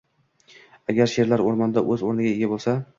Agar sherlar o‘rmonda o‘z o‘rniga ega bo‘lsa